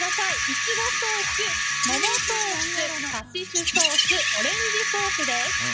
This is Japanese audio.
いちごソース、ももソースカシスソースオレンジソースです。